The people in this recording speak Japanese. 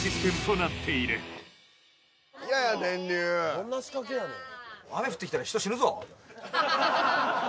・どんな仕掛けやねん